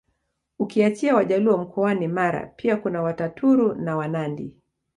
Ukiachia Wajaluo mkoani Mara pia kuna Wataturu na Wanandi